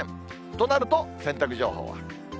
となると、洗濯情報は。